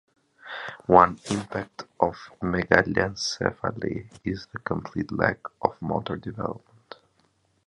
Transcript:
One impact of megalencephaly is the complete lack of motor development.